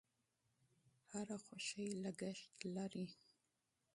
هر خوښي لګښت لري.